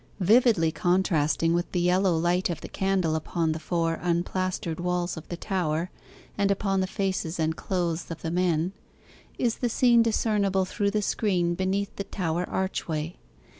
Vividly contrasting with the yellow light of the candle upon the four unplastered walls of the tower, and upon the faces and clothes of the men, is the scene discernible through the screen beneath the tower archway.